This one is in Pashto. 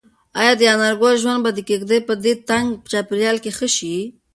ایا د انارګل ژوند به د کيږدۍ په دې تنګ چاپیریال کې ښه شي؟